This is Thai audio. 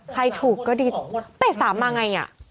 ใครถูกก็ดี๘๓มายังไงอะ